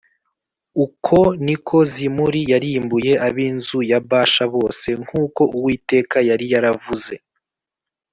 Uko ni ko Zimuri yarimbuye ab’inzu ya Bāsha bose nk’uko Uwiteka yari yaravuze